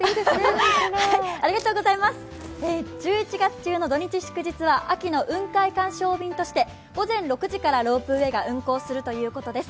１１月中の土日祝日は秋の雲海鑑賞便として午前６時からロープウエーが運行するということです。